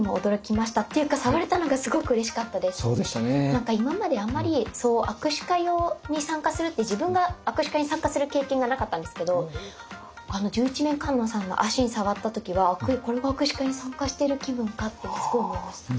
何か今まであんまり握手会に参加するって自分が握手会に参加する経験がなかったんですけど十一面観音さんの足に触った時は「これが握手会に参加してる気分か」ってすごい思いました。